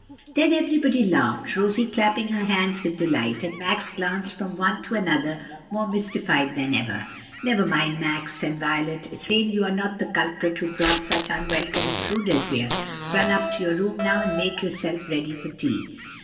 Then everybody laughed, Rosie clapping her hands with delight, and Max glanced from one to another more mystified than ever. "Never mind, Max," said Violet, "it's plain you are not the culprit who brought such unwelcome intruders here. Run up to your room now and make yourself ready for tea."